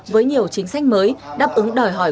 với nhiều chính sách mới đáp ứng đòi hỏi